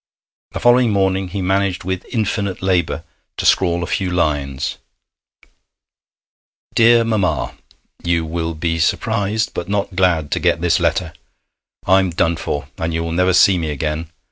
The following morning he managed with infinite labour to scrawl a few lines: 'DEAR MAMMA, 'You will be surprised but not glad to get this letter. I'm done for, and you will never see me again.